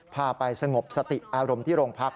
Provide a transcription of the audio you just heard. พาไปสงบสติอารมณ์ที่โรงพัก